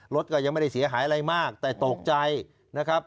รถก็ยังไม่ได้เสียหายอะไรมากแต่ตกใจนะครับ